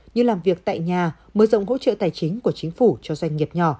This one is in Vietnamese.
như làm việc tại nhà mở rộng hỗ trợ tài chính của chính phủ cho doanh nghiệp nhỏ